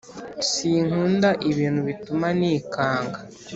Sinkunda ibintu bituma nikanga